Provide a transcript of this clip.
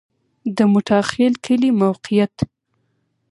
د موټاخیل کلی موقعیت